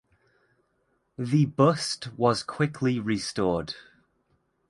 The bust was quickly restored.